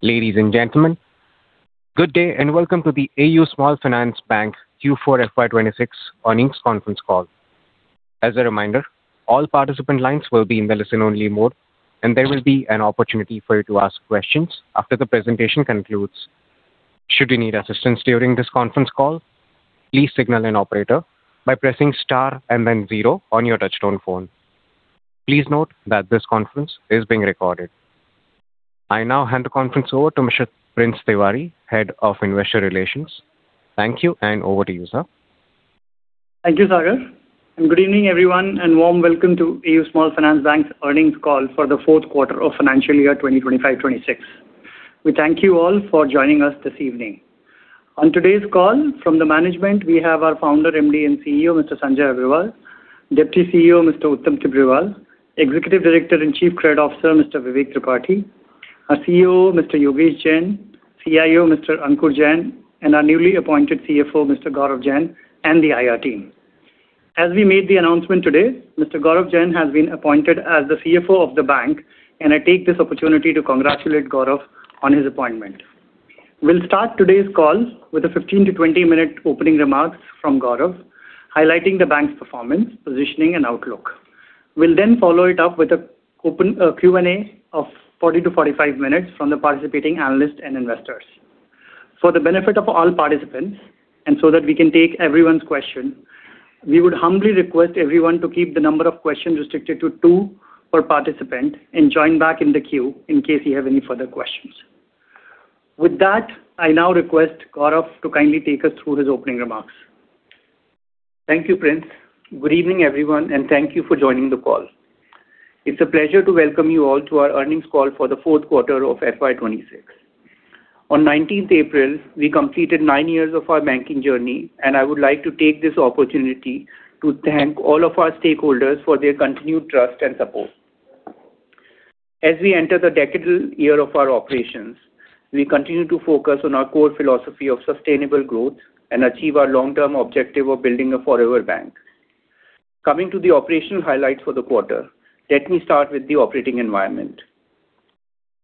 Ladies and gentlemen, good day, and welcome to the AU Small Finance Bank Q4 FY 2026 Earnings Conference Call. As a reminder, all participant lines will be in listen-only mode, and there will be an opportunity for you to ask questions after the presentation concludes. Should you need assistance during this conference call, please signal an operator by pressing star and then zero on your touch-tone phone. Please note that this conference is being recorded. I now hand the conference over to Mr. Prince Tiwari, Head of Investor Relations. Thank you, and over to you, sir. Thank you, Sagar, and good evening, everyone, and warm welcome to AU Small Finance Bank's earnings call for the fourth quarter of financial year 2025-2026. We thank you all for joining us this evening. On today's call from the management, we have our Founder, MD, and CEO, Mr. Sanjay Agarwal, Deputy CEO, Mr. Uttam Tibrewal, Executive Director and Chief Credit Officer, Mr. Vivek Tripathi, our COO, Mr. Yogesh Jain, CIO, Mr. Ankur Tripathi, and our newly appointed CFO, Mr. Gaurav Jain, and the IR team. As we made the announcement today, Mr. Gaurav Jain has been appointed as the CFO of the bank, and I take this opportunity to congratulate Gaurav on his appointment. We'll start today's call with a 15-20-minute opening remarks from Gaurav, highlighting the bank's performance, positioning, and outlook. We'll then follow it up with an open Q&A of 40-45 minutes from the participating analysts and investors. For the benefit of all participants, and so that we can take everyone's question, we would humbly request everyone to keep the number of questions restricted to two per participant and join back in the queue in case you have any further questions. With that, I now request Gaurav to kindly take us through his opening remarks. Thank you, Prince. Good evening, everyone, and thank you for joining the call. It's a pleasure to welcome you all to our earnings call for the fourth quarter of FY 2026. On 19 April, we completed 9 years of our banking journey, and I would like to take this opportunity to thank all of our stakeholders for their continued trust and support. As we enter the decadal year of our operations, we continue to focus on our core philosophy of sustainable growth and achieve our long-term objective of building a forever bank. Coming to the operational highlights for the quarter, let me start with the operating environment.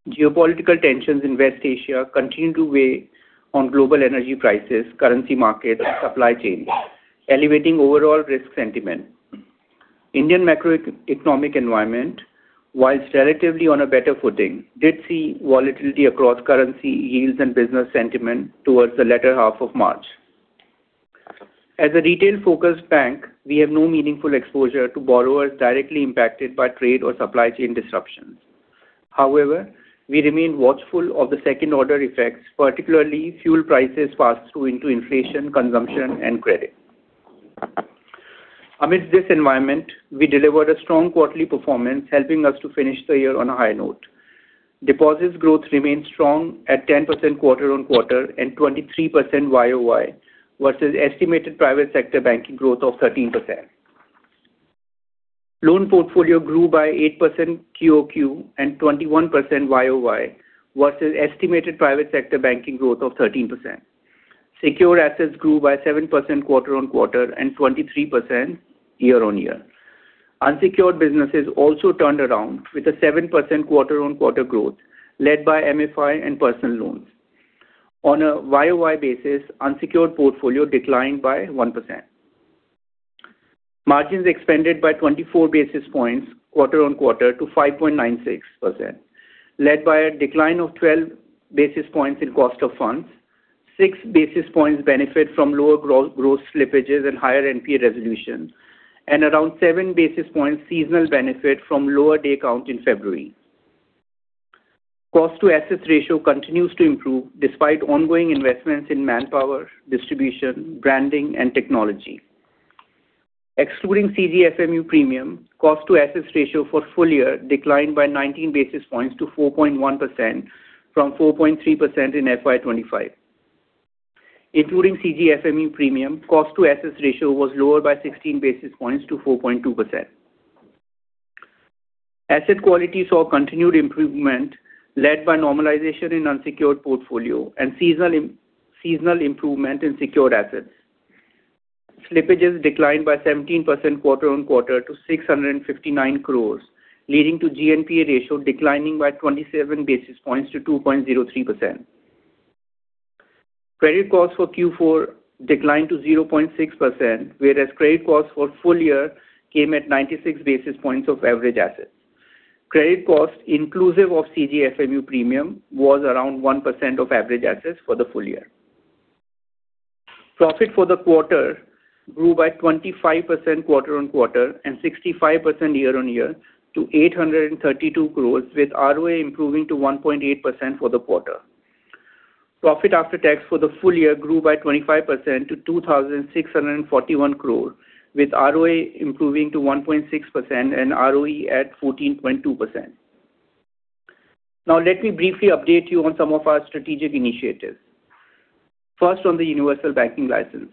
Geopolitical tensions in West Asia continue to weigh on global energy prices, currency markets, and supply chains, elevating overall risk sentiment. Indian macroeconomic environment, while relatively on a better footing, did see volatility across currency yields and business sentiment towards the latter half of March. As a retail-focused bank, we have no meaningful exposure to borrowers directly impacted by trade or supply chain disruptions. However, we remain watchful of the second-order effects, particularly fuel prices pass-through into inflation, consumption, and credit. Amidst this environment, we delivered a strong quarterly performance, helping us to finish the year on a high note. Deposits growth remained strong at 10% quarter-on-quarter and 23% YoY versus estimated private sector banking growth of 13%. Loan portfolio grew by 8% QoQ and 21% YoY versus estimated private sector banking growth of 13%. Secured assets grew by 7% quarter-on-quarter and 23% year-on-year. Unsecured businesses also turned around with a 7% quarter-on-quarter growth led by MFI and personal loans. On a YoY basis, unsecured portfolio declined by 1%. Margins expanded by 24 basis points quarter-on-quarter to 5.96%, led by a decline of 12 basis points in cost of funds, 6 basis points benefit from lower gross slippages and higher NPA resolution, and around 7 basis points seasonal benefit from lower day count in February. Cost to assets ratio continues to improve despite ongoing investments in manpower, distribution, branding, and technology. Excluding CGFMU premium, cost to assets ratio for full year declined by 19 basis points to 4.1% from 4.3% in FY 2025. Including CGFMU premium, cost to assets ratio was lower by 16 basis points to 4.2%. Asset quality saw continued improvement led by normalization in unsecured portfolio and seasonal and non-seasonal improvement in secured assets. Slippages declined by 17% quarter-on-quarter to 659 crore, leading to GNPA ratio declining by 27 basis points to 2.03%. Credit costs for Q4 declined to 0.6%, whereas credit costs for full year came at 96 basis points of average assets. Credit cost inclusive of CGFMU premium was around 1% of average assets for the full year. Profit for the quarter grew by 25% quarter-on-quarter and 65% year-on-year to 832 crore, with ROA improving to 1.8% for the quarter. Profit after tax for the full year grew by 25% to 2,641 crore, with ROA improving to 1.6% and ROE at 14.2%. Now, let me briefly update you on some of our strategic initiatives. First, on the universal banking license.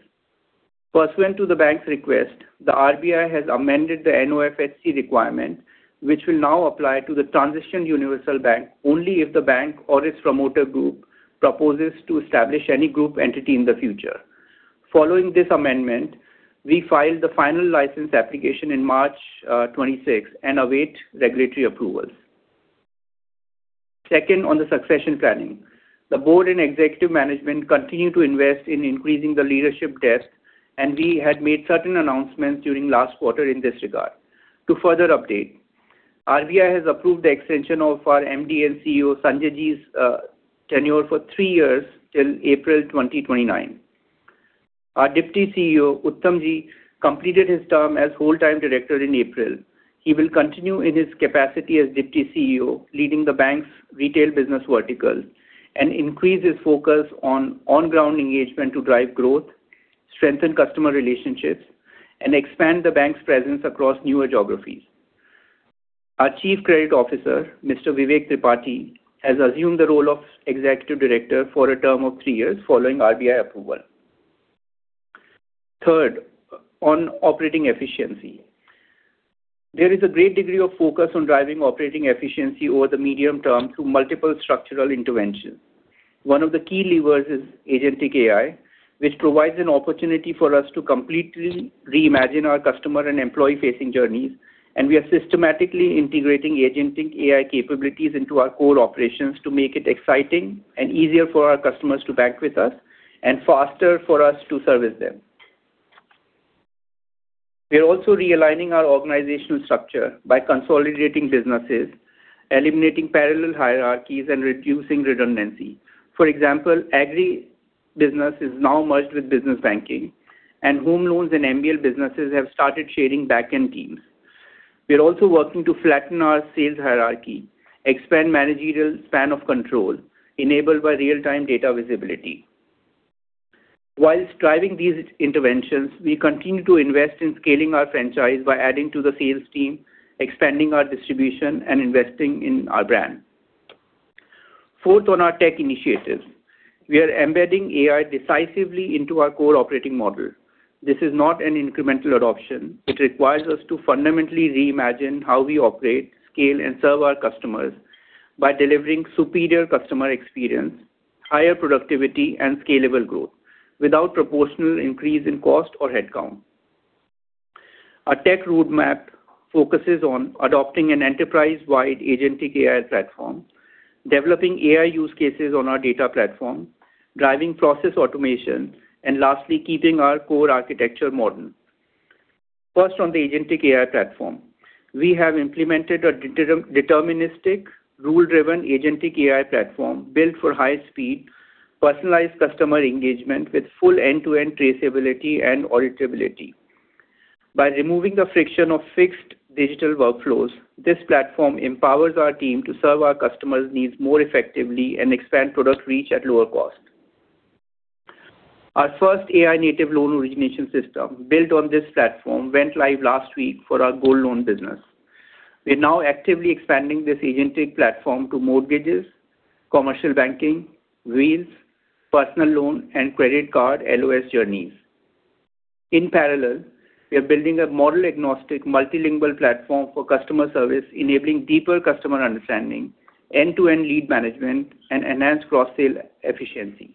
Pursuant to the bank's request, the RBI has amended the NOFHC requirement, which will now apply to the transitioned universal bank only if the bank or its promoter group proposes to establish any group entity in the future. Following this amendment, we filed the final license application in March 26 and await regulatory approvals. Second, on the succession planning. The board and executive management continue to invest in increasing the leadership depth, and we had made certain announcements during last quarter in this regard. To further update, RBI has approved the extension of our MD and CEO, Sanjay Agarwal's, tenure for three years till April 2029. Our Deputy CEO, Uttam Tibrewal, completed his term as full-time Director in April. He will continue in his capacity as Deputy CEO, leading the bank's retail business vertical and increase his focus on on-ground engagement to drive growth, strengthen customer relationships, and expand the bank's presence across newer geographies. Our Chief Credit Officer, Mr. Vivek Tripathi, has assumed the role of Executive Director for a term of three years following RBI approval. Third, on operating efficiency. There is a great degree of focus on driving operating efficiency over the medium term through multiple structural interventions. One of the key levers is agentic AI, which provides an opportunity for us to completely reimagine our customer and employee-facing journeys, and we are systematically integrating agentic AI capabilities into our core operations to make it exciting and easier for our customers to bank with us and faster for us to service them. We are also realigning our organizational structure by consolidating businesses, eliminating parallel hierarchies, and reducing redundancy. For example, agri business is now merged with business banking, and home loans and NBL businesses have started sharing back-end teams. We are also working to flatten our sales hierarchy, expand managerial span of control enabled by real-time data visibility. While driving these interventions, we continue to invest in scaling our franchise by adding to the sales team, expanding our distribution, and investing in our brand. Fourth, on our tech initiatives. We are embedding AI decisively into our core operating model. This is not an incremental adoption. It requires us to fundamentally reimagine how we operate, scale, and serve our customers by delivering superior customer experience, higher productivity, and scalable growth without proportional increase in cost or headcount. Our tech roadmap focuses on adopting an enterprise-wide agentic AI platform, developing AI use cases on our data platform, driving process automation, and lastly, keeping our core architecture modern. First, on the agentic AI platform. We have implemented a deterministic, rule-driven agentic AI platform built for high speed, personalized customer engagement with full end-to-end traceability and auditability. By removing the friction of fixed digital workflows, this platform empowers our team to serve our customers' needs more effectively and expand product reach at lower cost. Our first AI native loan origination system built on this platform went live last week for our gold loan business. We're now actively expanding this agentic platform to mortgages, commercial banking, wheels, personal loan, and credit card LOS journeys. In parallel, we are building a model-agnostic multilingual platform for customer service, enabling deeper customer understanding, end-to-end lead management, and enhanced cross-sale efficiency.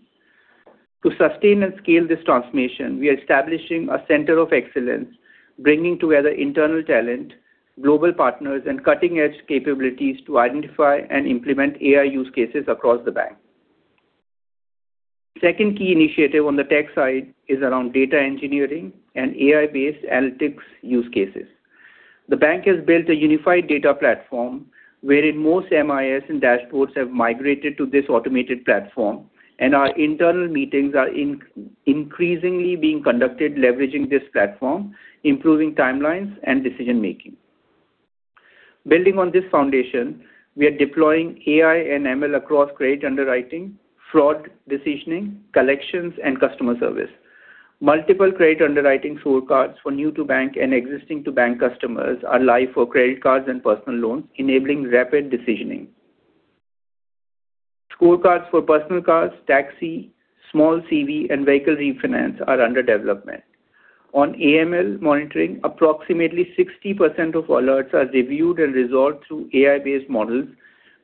To sustain and scale this transformation, we are establishing a center of excellence, bringing together internal talent, global partners, and cutting-edge capabilities to identify and implement AI use cases across the bank. Second key initiative on the tech side is around data engineering and AI-based analytics use cases. The bank has built a unified data platform wherein most MIS and dashboards have migrated to this automated platform, and our internal meetings are increasingly being conducted leveraging this platform, improving timelines and decision-making. Building on this foundation, we are deploying AI and ML across credit underwriting, fraud decisioning, collections, and customer service. Multiple credit underwriting scorecards for new to bank and existing to bank customers are live for credit cards and personal loans, enabling rapid decisioning. Scorecards for personal cars, taxi, small CV, and vehicle refinance are under development. On AML monitoring, approximately 60% of alerts are reviewed and resolved through AI-based models,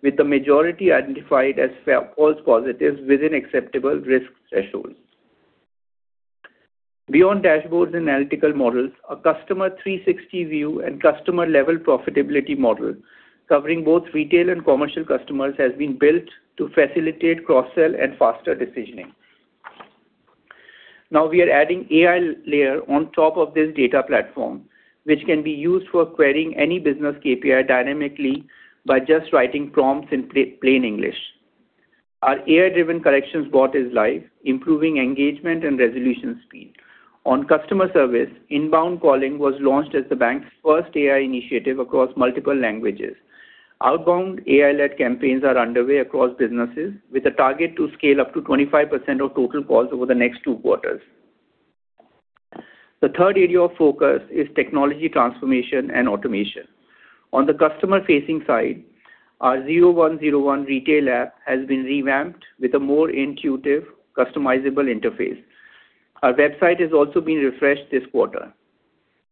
with the majority identified as false positives within acceptable risk thresholds. Beyond dashboards and analytical models, a customer 360 view and customer-level profitability model covering both retail and commercial customers has been built to facilitate cross-sell and faster decisioning. Now we are adding AI layer on top of this data platform, which can be used for querying any business KPI dynamically by just writing prompts in plain English. Our AI-driven collections bot is live, improving engagement and resolution speed. On customer service, inbound calling was launched as the bank's first AI initiative across multiple languages. Outbound AI-led campaigns are underway across businesses with a target to scale up to 25% of total calls over the next two quarters. The third area of focus is technology transformation and automation. On the customer-facing side, our AU 0101 retail app has been revamped with a more intuitive, customizable interface. Our website has also been refreshed this quarter.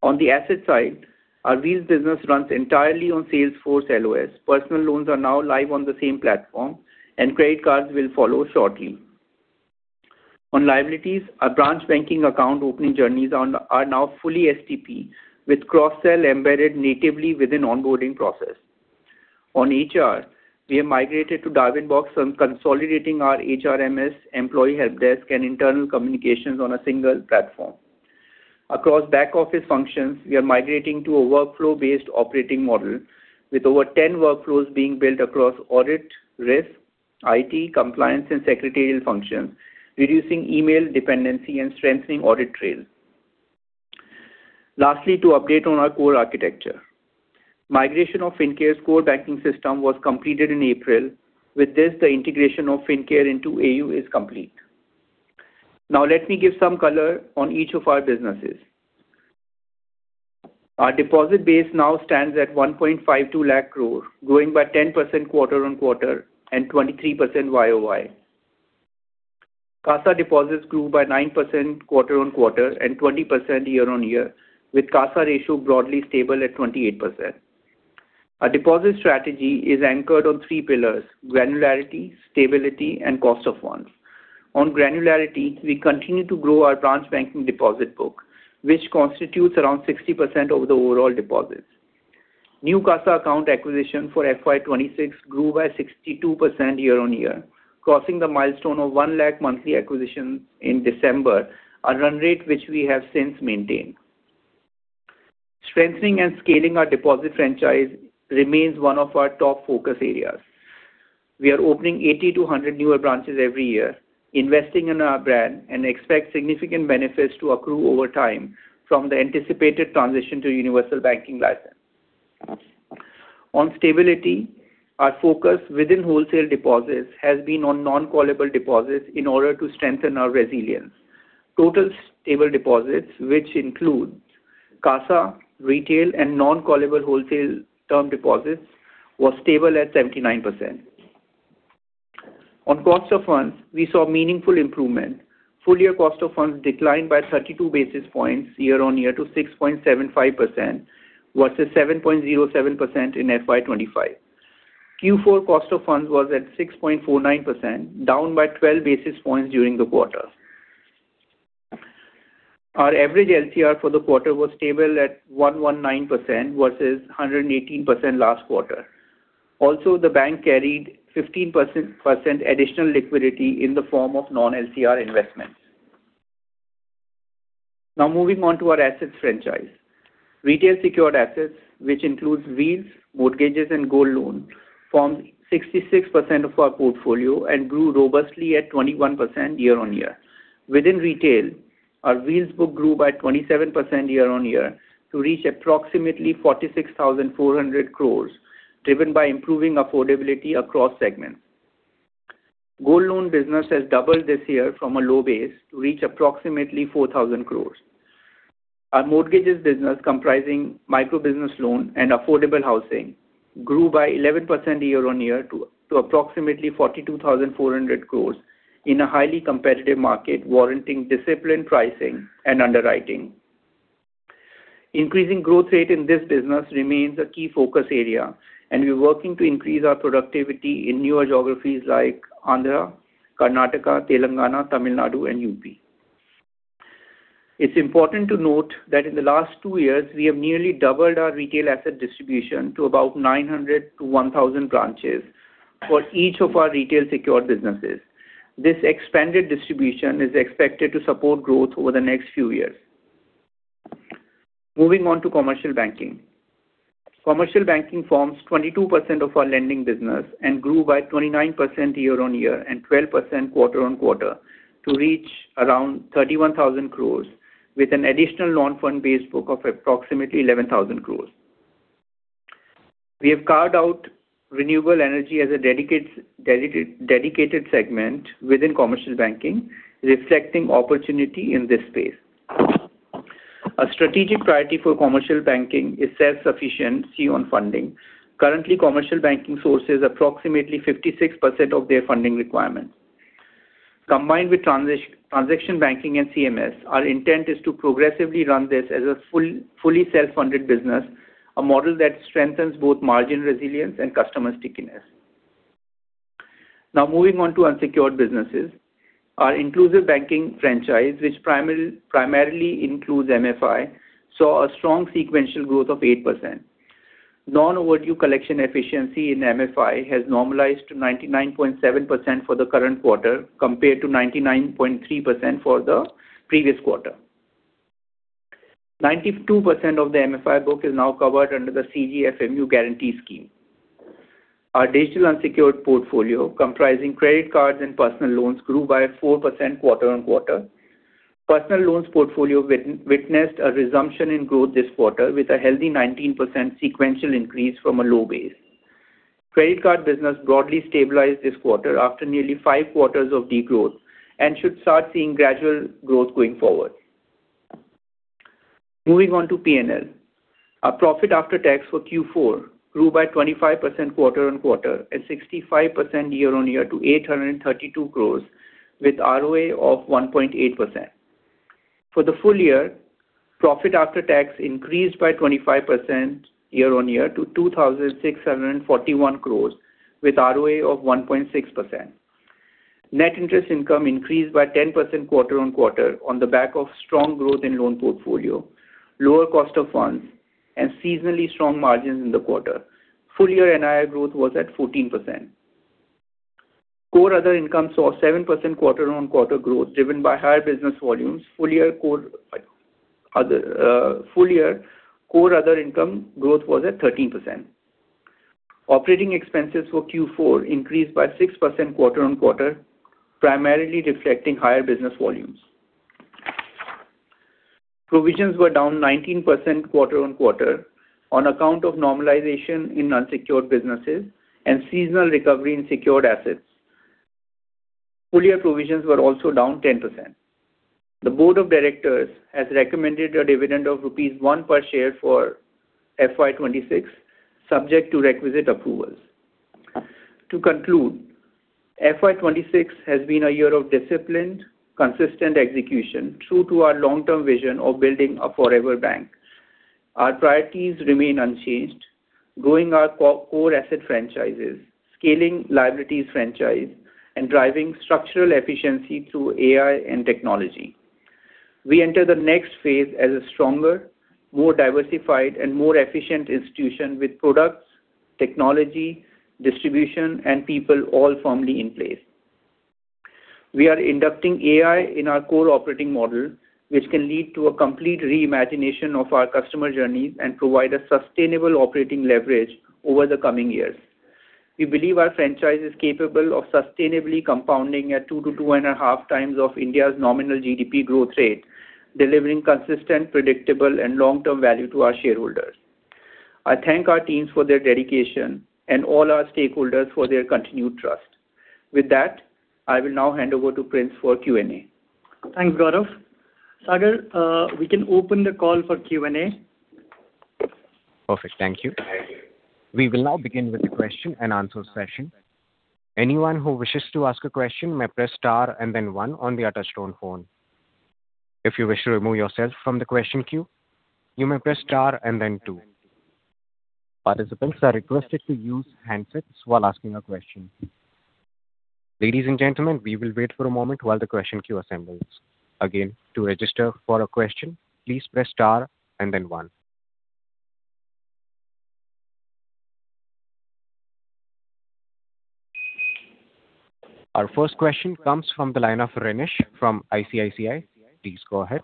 On the asset side, our wheels business runs entirely on Salesforce LOS. Personal loans are now live on the same platform, and credit cards will follow shortly. On liabilities, our branch banking account opening journeys are now fully STP with cross-sell embedded natively within onboarding process. On HR, we have migrated to Darwinbox for consolidating our HRMS employee helpdesk and internal communications on a single platform. Across back-office functions, we are migrating to a workflow-based operating model with over 10 workflows being built across audit, risk, IT, compliance and secretarial functions, minimizing email dependency and strengthening audit trail. Lastly, to update on our core architecture, migration of Fincare's core banking system was completed in April. With this, the integration of Fincare into AU is complete. Now let me give some color on each of our businesses. Our deposit base now stands at 1.52 lakh crore, growing by 10% quarter-over-quarter and 23% YoY. CASA deposits grew by 9% quarter-over-quarter and 20% year-over-year, with CASA ratio broadly stable at 28%. Our deposit strategy is anchored on three pillars, granularity, stability and cost of funds. On granularity, we continue to grow our branch banking deposit book, which constitutes around 60% of the overall deposits. New CASA account acquisition for FY 2026 grew by 62% year-on-year, crossing the milestone of 1 lakh monthly acquisitions in December, a run rate which we have since maintained. Strengthening and scaling our deposit franchise remains one of our top focus areas. We are opening 80-100 newer branches every year, investing in our brand and expect significant benefits to accrue over time from the anticipated transition to universal banking license. On stability, our focus within wholesale deposits has been on non-callable deposits in order to strengthen our resilience. Total stable deposits, which includes CASA, retail and non-callable wholesale term deposits, was stable at 79%. On cost of funds, we saw meaningful improvement. Full year cost of funds declined by 32 basis points year-on-year to 6.75% versus 7.07% in FY 2025. Q4 cost of funds was at 6.49%, down by 12 basis points during the quarter. Our average LTR for the quarter was stable at 119% versus 118% last quarter. Also, the bank carried 15% additional liquidity in the form of non-LTR investments. Now moving on to our assets franchise. Retail secured assets, which includes wheels, mortgages and gold loan, formed 66% of our portfolio and grew robustly at 21% year-on-year. Within retail, our wheels book grew by 27% year-on-year to reach approximately 46,400 crore, driven by improving affordability across segments. Gold loan business has doubled this year from a low base to reach approximately 4,000 crore. Our mortgages business, comprising micro business loan and affordable housing, grew by 11% year-on-year to approximately 42,400 crore in a highly competitive market warranting disciplined pricing and underwriting. Increasing growth rate in this business remains a key focus area and we're working to increase our productivity in newer geographies like Andhra, Karnataka, Telangana, Tamil Nadu and UP. It's important to note that in the last two years we have nearly doubled our retail asset distribution to about 900-1,000 branches for each of our retail secured businesses. This expanded distribution is expected to support growth over the next few years. Moving on to commercial banking. Commercial banking forms 22% of our lending business and grew by 29% year-on-year and 12% quarter-on-quarter to reach around 31,000 crores with an additional loan fund base book of approximately 11,000 crores. We have carved out renewable energy as a dedicated segment within commercial banking, reflecting opportunity in this space. A strategic priority for commercial banking is self-sufficiency on funding. Currently, commercial banking sources approximately 56% of their funding requirements. Combined with transaction banking and CMS, our intent is to progressively run this as a fully self-funded business, a model that strengthens both margin resilience and customer stickiness. Now moving on to unsecured businesses. Our inclusive banking franchise, which primarily includes MFI, saw a strong sequential growth of 8%. Non-overdue collection efficiency in MFI has normalized to 99.7% for the current quarter, compared to 99.3% for the previous quarter. 92% of the MFI book is now covered under the CGFMU guarantee scheme. Our digital unsecured portfolio, comprising credit cards and personal loans, grew by 4% quarter-on-quarter. Personal loans portfolio witnessed a resumption in growth this quarter with a healthy 19% sequential increase from a low base. Credit card business broadly stabilized this quarter after nearly five quarters of degrowth and should start seeing gradual growth going forward. Moving on to P&L. Our profit after tax for Q4 grew by 25% quarter-on-quarter and 65% year-on-year to 832 crore with ROA of 1.8%. For the full year, profit after tax increased by 25% year-on-year to 2,641 crore with ROA of 1.6%. Net interest income increased by 10% quarter-on-quarter on the back of strong growth in loan portfolio, lower cost of funds, and seasonally strong margins in the quarter. Full year NII growth was at 14%. Core other income saw 7% quarter-on-quarter growth, driven by higher business volumes. Full year core other income growth was at 13%. Operating expenses for Q4 increased by 6% quarter-on-quarter, primarily reflecting higher business volumes. Provisions were down 19% quarter-on-quarter on account of normalization in unsecured businesses and seasonal recovery in secured assets. Full year provisions were also down 10%. The Board of Directors has recommended a dividend of rupees 1 per share for FY 2026, subject to requisite approvals. To conclude, FY 2026 has been a year of disciplined, consistent execution, true to our long-term vision of building a forever bank. Our priorities remain unchanged. Growing our core asset franchises, scaling liabilities franchise, and driving structural efficiency through AI and technology. We enter the next phase as a stronger, more diversified and more efficient institution with products, technology, distribution, and people all firmly in place. We are inducting AI in our core operating model, which can lead to a complete reimagination of our customer journeys and provide a sustainable operating leverage over the coming years. We believe our franchise is capable of sustainably compounding at 2x-2.5x of India's nominal GDP growth rate, delivering consistent, predictable and long-term value to our shareholders. I thank our teams for their dedication and all our stakeholders for their continued trust. With that, I will now hand over to Prince for Q&A. Thanks, Gaurav. Sagar, we can open the call for Q&A. Perfect. Thank you. We will now begin with the question and answer session. Anyone who wishes to ask a question may press star and then one on the touch-tone phone. If you wish to remove yourself from the question queue, you may press star and then two. Participants are requested to use handsets while asking a question. Ladies and gentlemen, we will wait for a moment while the question queue assembles. Again, to register for a question, please press star and then one. Our first question comes from the line of Renish from ICICI. Please go ahead.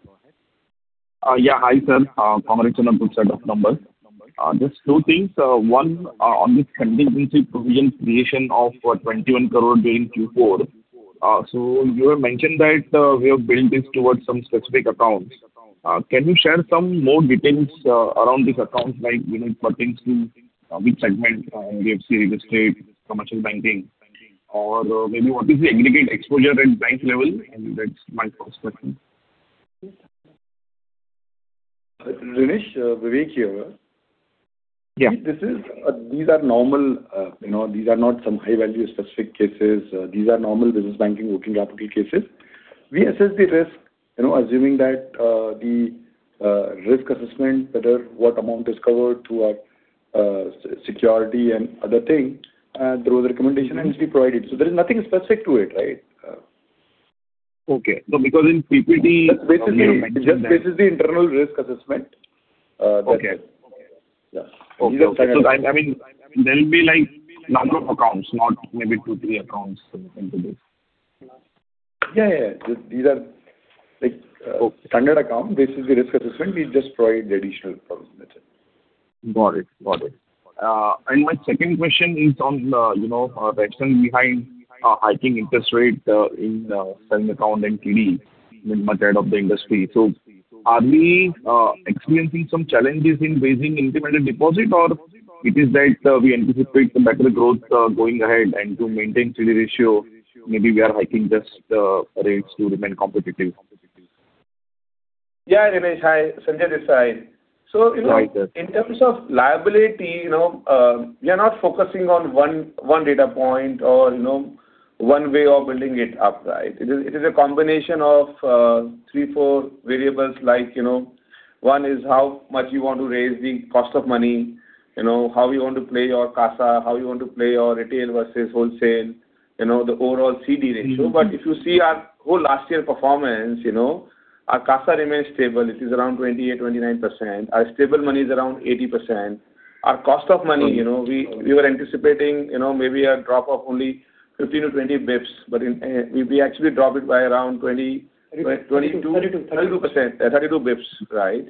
Hi, sir. Congratulations set of numbers. Just two things. One, on this contingency provision creation of, what, 21 crore during Q4. So you have mentioned that, we have built this towards some specific accounts. Can you share some more details, around these accounts, like, you know, it pertains to, which segment, we have seen real estate, commercial banking? Or, maybe what is the aggregate exposure at bank level? That's my first question. Renish, Vivek here. Yeah. These are normal, you know, these are not some high-value specific cases. These are normal business banking working capital cases. We assess the risk, you know, assuming that, the risk assessment, whether what amount is covered through our security and other thing, through recommendation and is provided. There is nothing specific to it, right? Okay. Because in PPT. Just basically. You mentioned that. Just this is the internal risk assessment. Okay. Yeah. Okay. I mean, there will be like number of accounts, not maybe two, three accounts in total. Yeah, yeah. Okay. Standard account. This is the risk assessment. We just provide the additional provision, that's it. Got it. My second question is on the, you know, the action behind hiking interest rate in savings account and TD way ahead of the industry. Are we experiencing some challenges in raising incremental deposits or it is that we anticipate some better growth going ahead and to maintain CD ratio, maybe we are hiking rates to remain competitive? Yeah, Renish. Hi. Sanjay Agarwal. So, you know. Hi, sir. In terms of liability, you know, we are not focusing on one data point or, you know, one way of building it up, right? It is a combination of 3-4 variables like, you know, one is how much you want to raise the cost of money, you know, how you want to play your CASA, how you want to play your retail versus wholesale, you know, the overall CD ratio. Mm-hmm. If you see our whole last year performance, you know, our CASA remains stable. It is around 28%-29%. Our stable money is around 80%. Our cost of money, you know. Mm-hmm. We were anticipating, you know, maybe a drop of only 15-20 basis points, but in, we actually drop it by around twenty- 32%. 22%. 32%. 32%. 32 basis points, right?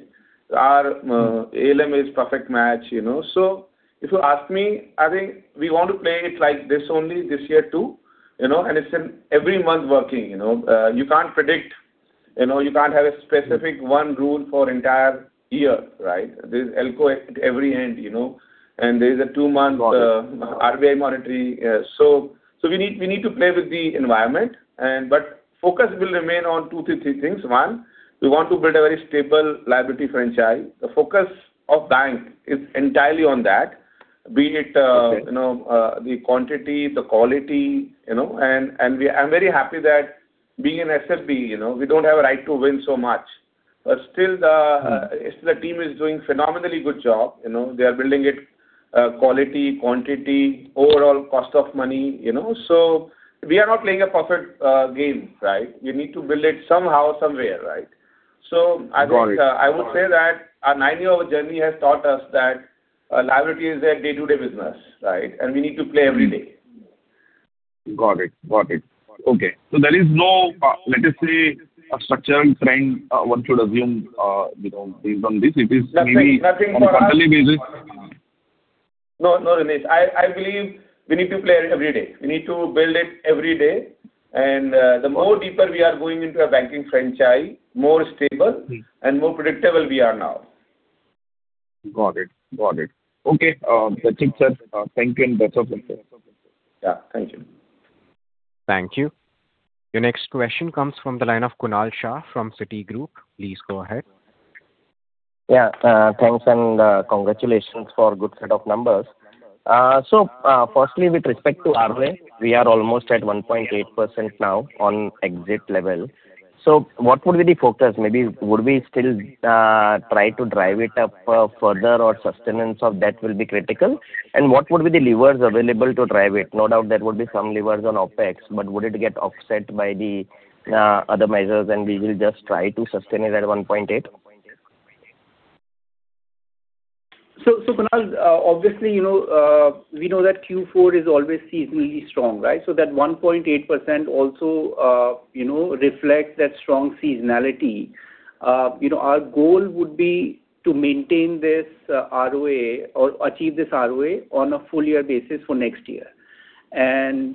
Our ALM is perfect match, you know. If you ask me, I think we want to play it like this only this year too, you know, and it's in every month working, you know. You can't predict, you know, you can't have a specific one rule for entire year, right? There's ALCO at every end, you know, and there's a two-month- Got it. RBI monetary. We need to play with the environment, but focus will remain on 2-3 things. 1, we want to build a very stable liability franchise. The focus of bank is entirely on that. Be it, uh- Okay. You know, the quantity, the quality, you know, and I'm very happy that being an SFB, you know, we don't have a right to win so much. Still the Still the team is doing phenomenally good job, you know. They are building it, quality, quantity, overall cost of money, you know. We are not playing a perfect game, right? We need to build it somehow, somewhere, right? I think. Got it. Got it. I would say that our nine-year-old journey has taught us that liability is a day-to-day business, right? We need to play every day. Got it. Okay. There is no, let us say, a structural trend, you know, based on this. It is maybe. Nothing for us. No, no, Renish. I believe we need to play it every day. We need to build it every day. Got it. The more deeper we are going into a banking franchise, more stable. Mm-hmm. More predictable we are now. Got it. Okay. That's it, sir. Thank you and best of luck, sir. Yeah. Thank you. Thank you. Your next question comes from the line of Kunal Shah from Citigroup. Please go ahead. Yeah. Thanks, and congratulations for good set of numbers. Firstly, with respect to ROA, we are almost at 1.8% now on exit level. What would be the focus? Maybe would we still try to drive it up further or sustenance of that will be critical? What would be the levers available to drive it? No doubt there would be some levers on OpEx, but would it get offset by the other measures, and we will just try to sustain it at 1.8%? Kunal, obviously, you know, we know that Q4 is always seasonally strong, right? That 1.8% also, you know, reflects that strong seasonality. You know, our goal would be to maintain this ROA or achieve this ROA on a full year basis for next year. You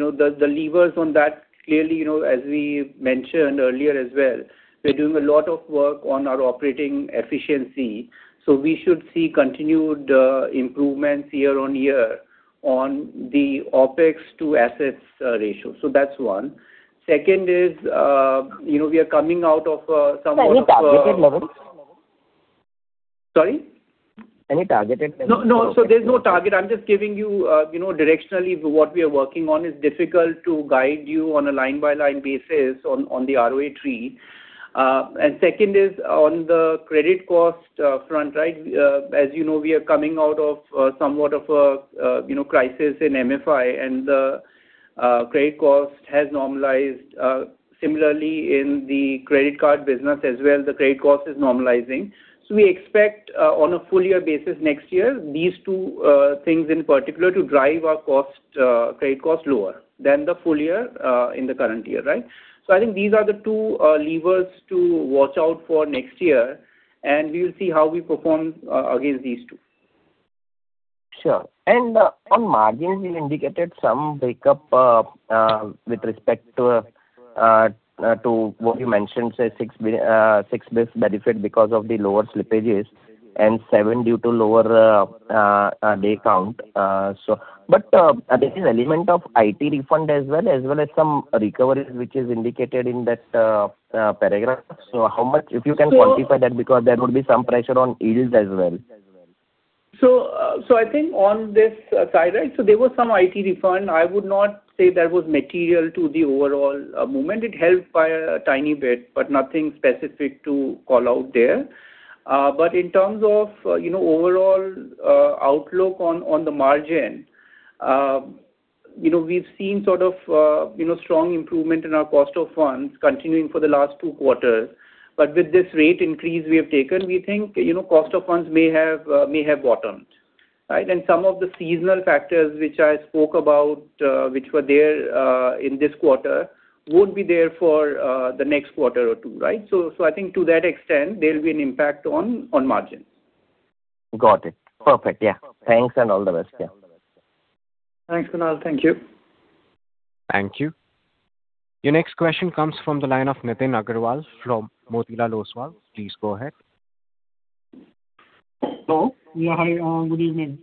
know, the levers on that, clearly, you know, as we mentioned earlier as well, we're doing a lot of work on our operating efficiency, so we should see continued improvements year on year on the OpEx to assets ratio. That's one. Second is, you know, we are coming out of somewhat of a Any targeted levels? Sorry? Any targeted levels? No, no. There's no target. I'm just giving you know, directionally what we are working on. It's difficult to guide you on a line-by-line basis on the ROA three. Second is on the credit cost front, right? As you know, we are coming out of somewhat of a you know, crisis in MFI, and the credit cost has normalized. Similarly in the credit card business as well, the credit cost is normalizing. We expect on a full year basis next year, these two things in particular to drive our cost credit cost lower than the full year in the current year, right? I think these are the two levers to watch out for next year, and we will see how we perform against these two. Sure. On margins, you indicated some breakdown with respect to what you mentioned, say 6 basis benefit because of the lower slippages and 7 due to lower day count. But there is element of IT refund as well as some recoveries which is indicated in that paragraph. How much- So- If you can quantify that because there would be some pressure on yields as well. I think on this side, right, there was some IT refund. I would not say that was material to the overall movement. It helped by a tiny bit, but nothing specific to call out there. In terms of, you know, overall outlook on the margin, you know, we've seen sort of strong improvement in our cost of funds continuing for the last two quarters. With this rate increase we have taken, we think, you know, cost of funds may have bottomed, right? Some of the seasonal factors which I spoke about, which were there in this quarter, won't be there for the next quarter or two, right? I think to that extent, there will be an impact on margins. Got it. Perfect. Yeah. Thanks and all the best. Yeah. Thanks, Kunal. Thank you. Thank you. Your next question comes from the line of Nitin Aggarwal from Motilal Oswal. Please go ahead. Hello. Yeah. Hi. Good evening.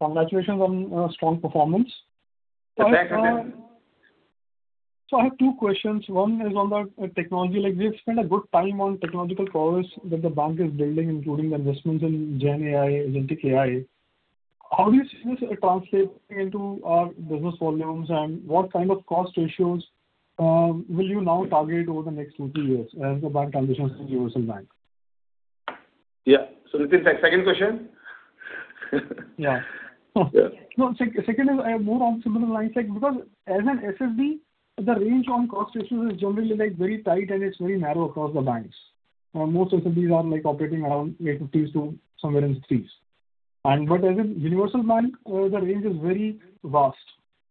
Congratulations on strong performance. Thank you. I have two questions. One is on the technology. Like, we have spent a good time on technological prowess that the bank is building, including the investments in GenAI, agentic AI. How do you see this translating into business volumes, and what kind of cost ratios will you now target over the next 2, 3 years as the bank transitions to universal bank? Yeah. Nitin, second question. Yeah. Yeah. No, second is more on similar lines, like because as an SFB, the range on cost ratios is generally like very tight and it's very narrow across the banks. Most SFBs are like operating around 80s%-30s%. But as a universal bank, the range is very vast,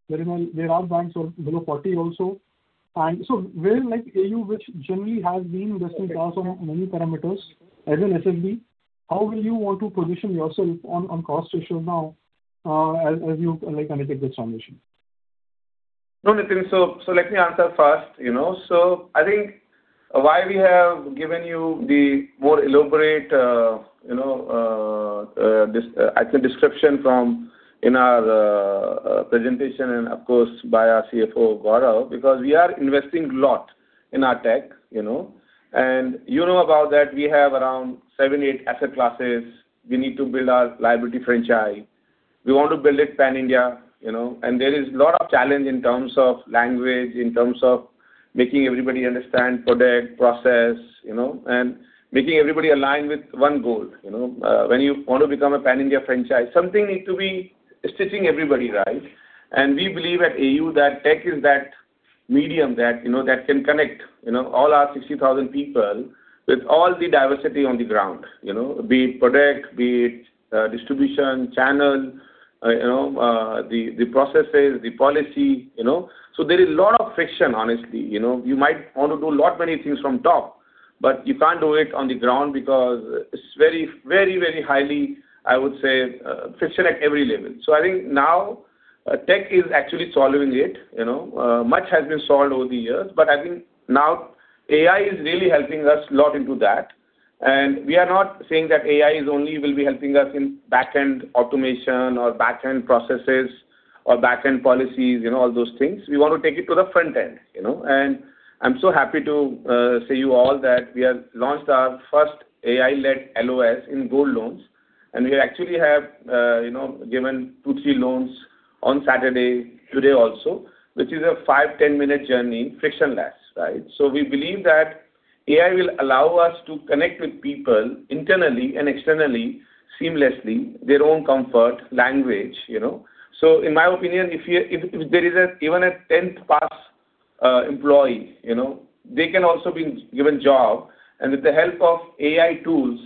very wide. There are banks below 40% also. Where, like AU, which generally has been best in class on many parameters as an SFB, how will you want to position yourself on cost ratio now, as you like undertake this transformation? No, Nitin. Let me answer first, you know. I think why we have given you the more elaborate, I'd say, description from in our Presentation and of course, by our CFO, Gaurav. Because we are investing lot in our tech, you know. You know about that we have around 7-8 asset classes. We need to build our liability franchise. We want to build it pan-India, you know. There is lot of challenge in terms of language, in terms of making everybody understand product, process, you know. Making everybody align with one goal, you know. When you want to become a pan-India franchise, something need to be stitching everybody, right? We believe at AU that tech is that medium that, you know, that can connect, you know, all our 60,000 people with all the diversity on the ground, you know. Be it product, be it distribution channel, you know, the processes, the policy, you know. There is lot of friction honestly, you know. You might wanna do lot many things from top, but you can't do it on the ground because it's very highly, I would say, friction at every level. I think now, tech is actually solving it, you know. Much has been solved over the years, but I think now AI is really helping us lot into that. We are not saying that AI is only will be helping us in back-end automation or back-end processes or back-end policies, you know, all those things. We want to take it to the front end, you know. I'm so happy to say to you all that we have launched our first AI-led LOS in gold loans, and we actually have, you know, given 2, 3 loans on Saturday, today also, which is a 5, 10-minute journey frictionless, right? We believe that AI will allow us to connect with people internally and externally seamlessly their own comfort language, you know. In my opinion, if there is an even 10th pass employee, you know, they can also be given job. With the help of AI tools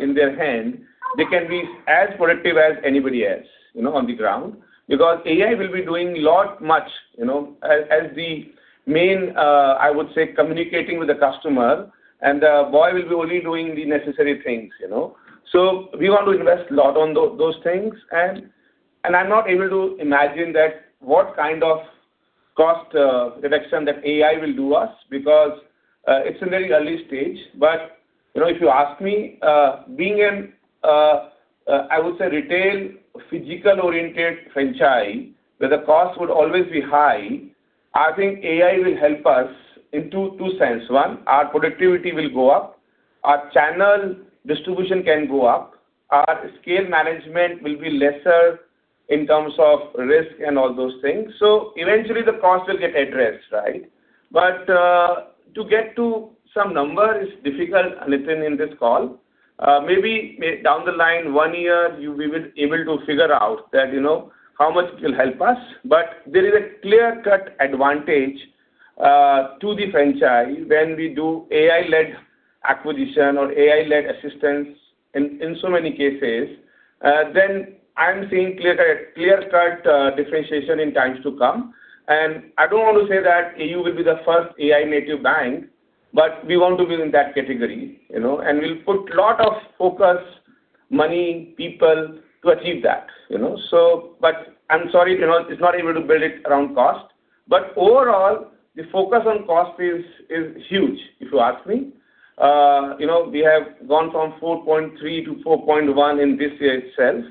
in their hand, they can be as productive as anybody else, you know, on the ground. Because AI will be doing a lot more, you know, as the main, I would say, communicating with the customer, and the boy will be only doing the necessary things, you know. We want to invest a lot on those things. I'm not able to imagine that what kind of cost reduction that AI will do us because it's a very early stage. You know, if you ask me, being in I would say retail physical-oriented franchise where the cost would always be high, I think AI will help us in two sense. One, our productivity will go up, our channel distribution can go up, our scale management will be lesser in terms of risk and all those things. Eventually the cost will get addressed, right? To get to some number is difficult, Nitin, in this call. Maybe down the line one year you will be able to figure out that, you know, how much it will help us. There is a clear-cut advantage to the franchise when we do AI-led acquisition or AI-led assistance in so many cases, then I am seeing clear-cut differentiation in times to come. I don't want to say that AU will be the first AI-native bank, but we want to be in that category, you know. We'll put lot of focus, money, people to achieve that, you know. I'm sorry, you know, it's not able to build it around cost. Overall, the focus on cost is huge, if you ask me. You know, we have gone from 4.3% to 4.1% in this year itself.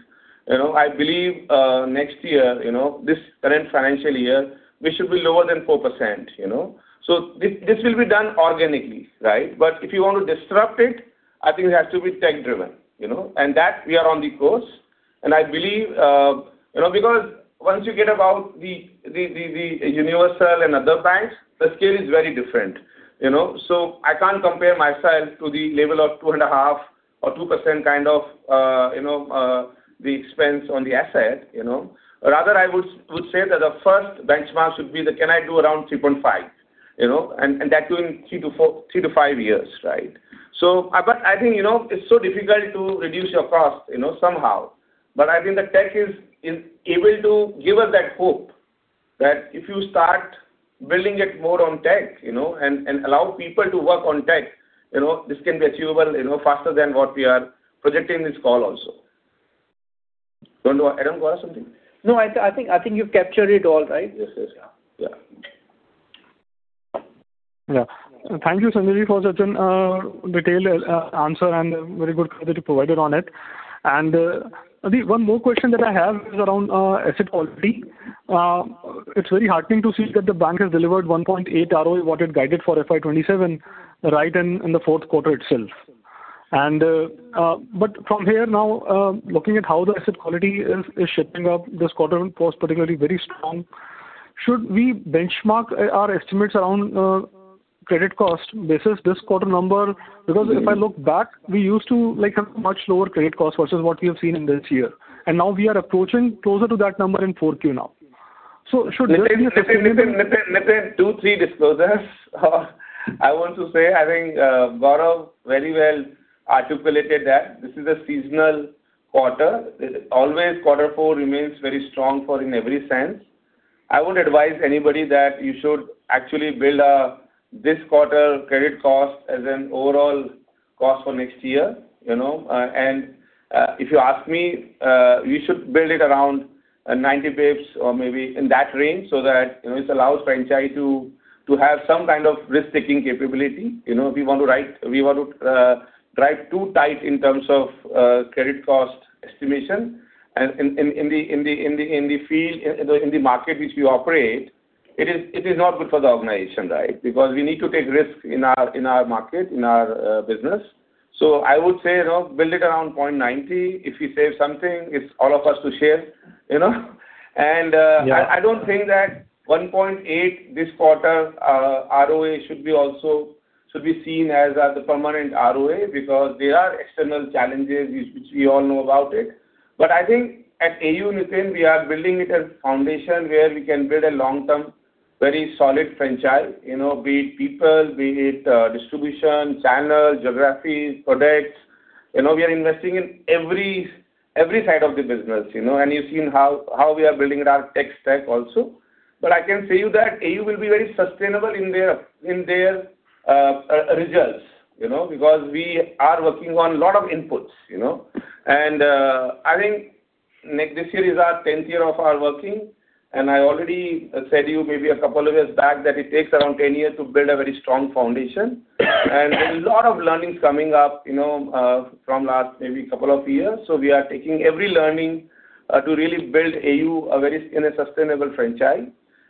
You know, I believe next year, you know, this current financial year we should be lower than 4%, you know. This will be done organically, right? If you want to disrupt it, I think it has to be tech driven, you know. That we are on the course and I believe, you know, because once you get about the Universal and other banks, the scale is very different, you know. I can't compare myself to the level of 2.5% or 2% kind of, you know, the expense on the asset, you know. Rather I would say that the first benchmark should be the, "Can I do around 3.5?" You know. That too in 3-5 years, right? But I think, you know, it's so difficult to reduce your cost, you know, somehow. I think the tech is able to give us that hope that if you start building it more on tech, you know, and allow people to work on tech, you know, this can be achievable, you know, faster than what we are projecting this call also. You want to add on, Gaurav, something? No, I think you've captured it all right. Yes. Yeah. Yeah. Thank you, Sanjay, for such a detailed answer and very good clarity provided on it. I think one more question that I have is around asset quality. It's very heartening to see that the bank has delivered 1.8 ROE what it guided for FY 2027 right in the fourth quarter itself. But from here now, looking at how the asset quality is shaping up, this quarter was particularly very strong. Should we benchmark our estimates around credit cost versus this quarter number? Because if I look back, we used to like have much lower credit cost versus what we have seen in this year, and now we are approaching closer to that number in Q4 now. Should there be a- Nitin. 2, 3 disclosures. I want to say I think Gaurav very well articulated that this is a seasonal quarter. Always quarter four remains very strong for in every sense. I would advise anybody that you should actually build this quarter credit cost as an overall cost for next year, you know. If you ask me, you should build it around 90 basis points or maybe in that range so that, you know, it allows franchise to have some kind of risk-taking capability, you know. We want to drive too tight in terms of credit cost estimation. In the field, in the market which we operate, it is not good for the organization, right? Because we need to take risk in our market, in our business. I would say, you know, build it around 0.90. If we save something, it's all of us to share, you know? Yeah. I don't think that 1.8 this quarter ROA should be seen as the permanent ROA because there are external challenges which we all know about it. I think at AU within, we are building it as foundation where we can build a long-term, very solid franchise. You know, be it people, be it distribution, channels, geographies, products. You know, we are investing in every side of the business, you know. You've seen how we are building it our tech stack also. I can say you that AU will be very sustainable in their results, you know, because we are working on a lot of inputs, you know. I think next This year is our 10th year of our working, and I already said to you maybe a couple of years back that it takes around 10 years to build a very strong foundation. There is a lot of learnings coming up, you know, from last maybe couple of years. We are taking every learning to really build AU into a very sustainable franchise.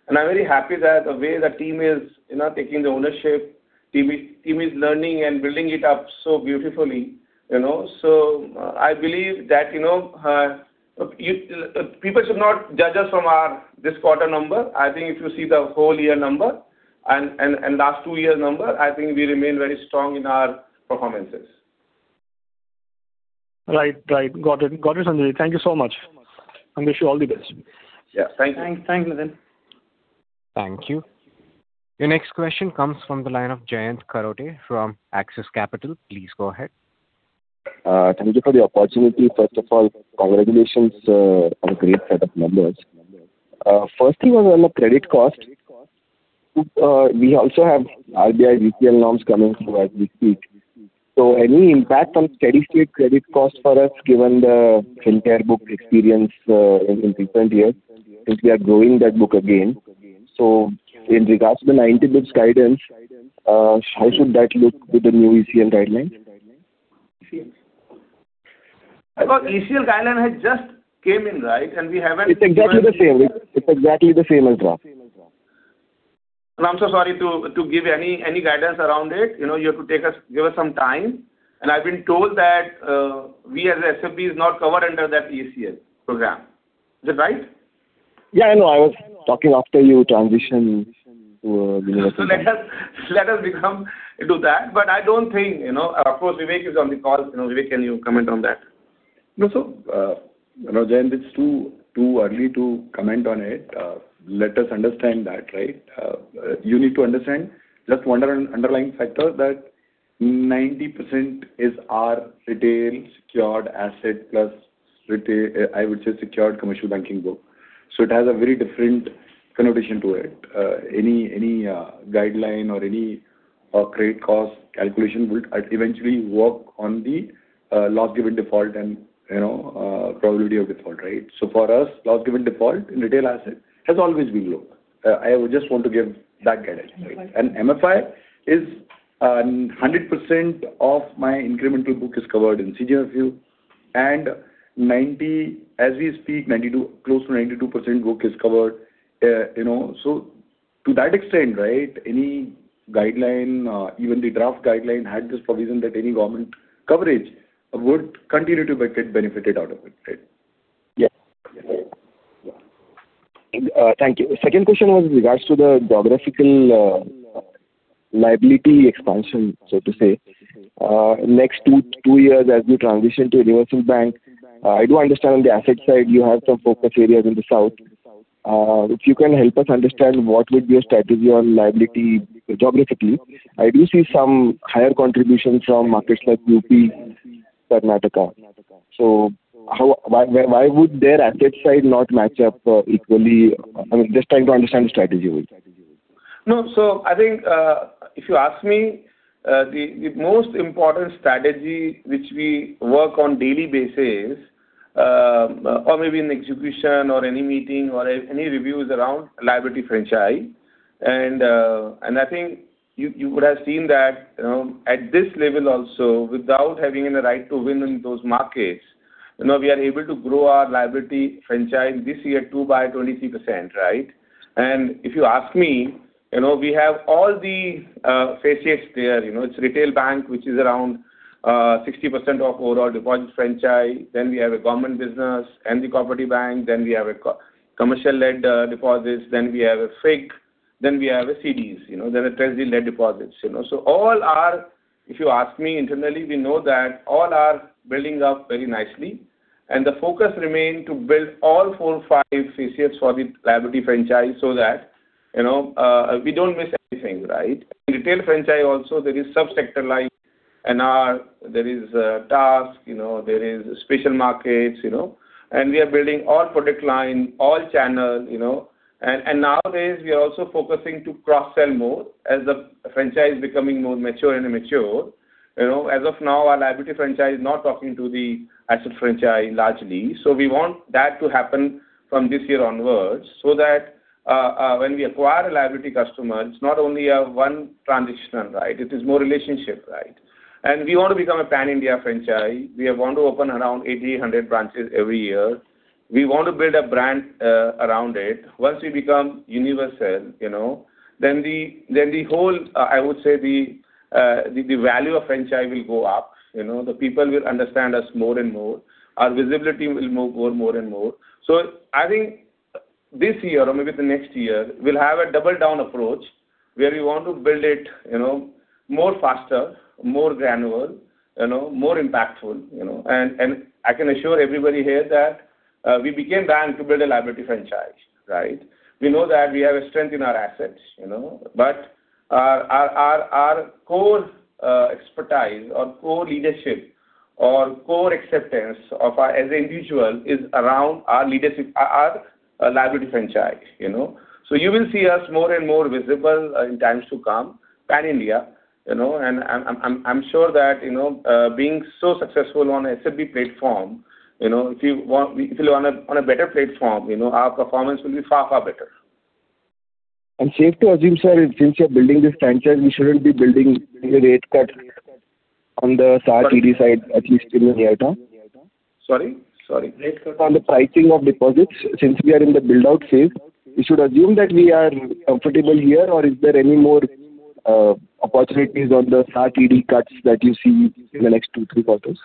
I'm very happy that the way the team is, you know, taking the ownership. The team is learning and building it up so beautifully, you know. I believe that, you know, you people should not judge us from our this quarter number. I think if you see the whole year number and last two year number, I think we remain very strong in our performances. Right. Got it, Sanjay. Thank you so much. I wish you all the best. Yeah. Thank you. Thanks. Thanks, Nitin. Thank you. Your next question comes from the line of Jayant Kharote from Axis Capital. Please go ahead. Thank you for the opportunity. First of all, congratulations on great set of numbers. First thing was on the credit cost. We also have RBI ECL norms coming through as we speak. Any impact on steady-state credit cost for us given the entire book experience in recent years since we are growing that book again. In regards to the 90 basis points guidance, how should that look with the new ECL guidelines? ECL guideline has just come in, right? We haven't- It's exactly the same. It's exactly the same as draft. I'm so sorry to give any guidance around it. You know, you have to give us some time. I've been told that we as an SFB is not covered under that ECL program. Is it right? Yeah, I know. I was talking after you transition to a universal bank. Let us get into that. I don't think, you know. Of course, Vivek is on the call. You know, Vivek, can you comment on that? No, you know, Jayant, it's too early to comment on it. Let us understand that, right? You need to understand just one underlying factor that 90% is our retail secured asset plus, I would say, secured commercial banking book. It has a very different connotation to it. Any guideline or credit cost calculation would eventually work on the loss given default and, you know, probability of default, right? For us, loss given default in retail asset has always been low. I would just want to give that guidance. MFI, 100% of my incremental book is covered in CGFMU and 92%, as we speak, close to 92% book is covered. You know, to that extent, right, any guideline or even the draft guideline had this provision that any government coverage would continue to be benefited out of it, right? Thank you. Second question was regards to the geographical liability expansion, so to say. Next two years as we transition to a universal bank, I do understand on the asset side you have some focus areas in the south. If you can help us understand what would be your strategy on liability geographically. I do see some higher contribution from markets like UP, Karnataka. So why would their asset side not match up equally? I mean, just trying to understand the strategy only. No. I think if you ask me the most important strategy which we work on daily basis or maybe in execution or any meeting or any review is around liability franchise. I think you would have seen that you know at this level also without having a right to win in those markets you know we are able to grow our liability franchise this year too by 23%, right? If you ask me you know we have all the facets there. You know it's retail bank which is around 60% of overall deposit franchise. We have a government business and the property bank. We have a co-commercial-led deposits. We have a FIG. We have a CDs. You know then a treasury-led deposits you know. All our... If you ask me internally, we know that all are building up very nicely and the focus remain to build all four, five facets for the liability franchise so that, you know, we don't miss anything, right? In retail franchise also there is sub-sector like NR, there is TASC, you know, there is special markets, you know. We are building all product line, all channels, you know. Nowadays we are also focusing to cross-sell more as the franchise becoming more mature. You know, as of now, our liability franchise is not talking to the asset franchise largely. We want that to happen from this year onwards, so that, when we acquire a liability customer, it's not only a one transitional ride, it is more relationship ride. We want to become a pan-India franchise. We want to open around 80-100 branches every year. We want to build a brand around it. Once we become universal, you know, then the whole, I would say, the value of franchise will go up. You know, the people will understand us more and more. Our visibility will move more and more. I think this year or maybe the next year, we'll have a double down approach where we want to build it, you know, more faster, more granular, you know, more impactful, you know. I can assure everybody here that we became bank to build a liability franchise, right? We know that we have a strength in our assets, you know. Our core expertise, our core leadership, our core acceptance of us as individuals is around our liability franchise, you know. You will see us more and more visible in times to come pan-India, you know. I'm sure that, you know, being so successful on SFB platform, you know, if you're on a better platform, you know, our performance will be far better. I'm safe to assume, sir, since you're building this franchise, we shouldn't be building the rate cut on the SA and TD side, at least in the near term. Sorry. Rate cut on the pricing of deposits. Since we are in the build-out phase, we should assume that we are comfortable here or is there any more opportunities on the SA and TD cuts that you see in the next 2, 3 quarters?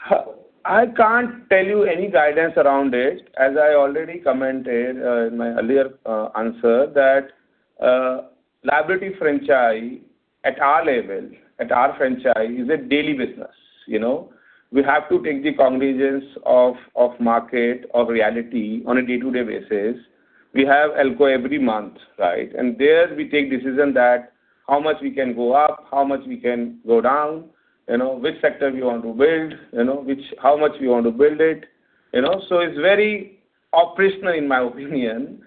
I can't tell you any guidance around it. As I already commented, in my earlier answer that, liability franchise at our level, at our franchise is a daily business, you know. We have to take the cognizance of market, of reality on a day-to-day basis. We have ALCO every month, right? There we take decision that how much we can go up, how much we can go down, you know, which sector we want to build, you know, which, how much we want to build it, you know. It's very operational, in my opinion.